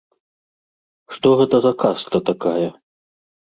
Што гэта за каста такая?